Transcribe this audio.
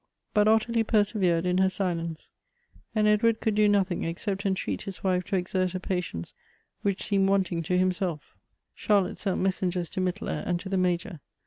But Ottilie persevered in her silence, and Edward could do nothing except entreat his wife to exert a patience Avhich seemed wanting to himself Charlotte sent messengers to Mittler and to the Major.